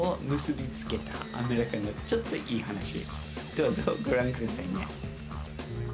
どうぞご覧くださいね。